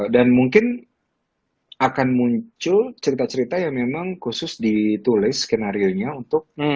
dan mungkin akan muncul cerita cerita yang memang khusus ditulis skenario nya untuk